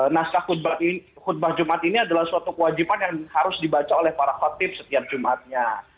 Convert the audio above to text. naskah khutbah jumat ini adalah suatu kewajiban yang harus dibaca oleh para khotib setiap jumatnya